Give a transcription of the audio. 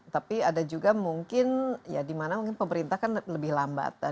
tapi ada juga mungkin di mana pemerintah lebih lambat